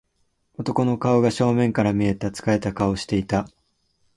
男の顔が正面から見えた。疲れた顔をしていた。